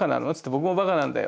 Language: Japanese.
僕もバカなんだよ」